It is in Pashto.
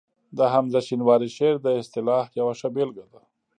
د حمزه شینواري شعر د اصطلاح یوه ښه بېلګه ده